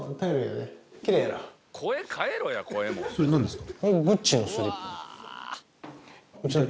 それ何ですか？